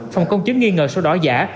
phòng công chứng nghi ngờ số đỏ giả